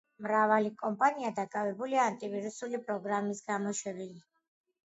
მრავალი კომპანია დაკავებულია ანტივირუსული პროგრამის გამოშვებით.